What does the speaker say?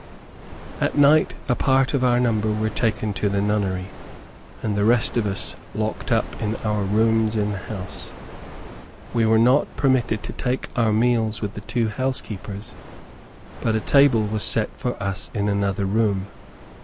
At night a part of our number were taken to the nunnery, and the rest of us locked up in our rooms in the house. We were not permitted to take our meals with the two housekeepers, but a table was set for us in another room.